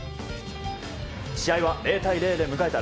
試合は０対０で迎えた